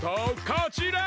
こちら！